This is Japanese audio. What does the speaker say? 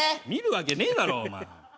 見るわけねえだろお前。